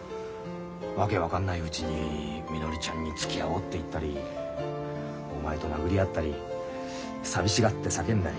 訳分かんないうちにみのりちゃんにつきあおうって言ったりお前と殴り合ったり寂しがって叫んだり。